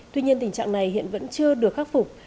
tuy nhiên tình trạng này hiện vẫn chưa được khắc phục